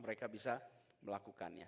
mereka bisa melakukannya